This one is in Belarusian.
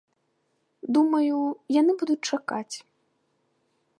Думаю, яны будуць чакаць.